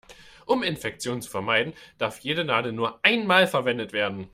Um Infektionen zu vermeiden, darf jede Nadel nur einmal verwendet werden.